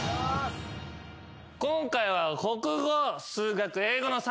今回は。